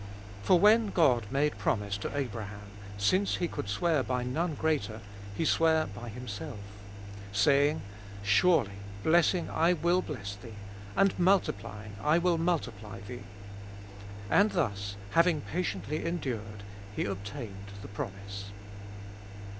For when God made promise to Abraham, since he could sware by none greater, he sware by himself, 14. Saying, Surely blessing I will bless thee, and multiplying I will multiply thee. 15. And thus, having patiently endured,1 he obtained, the promise.